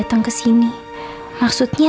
kalian berdua buat apa ya